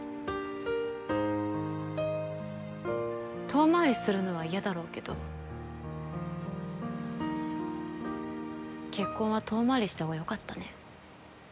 遠回りするのは嫌だろうけど結婚は遠回りした方がよかったね。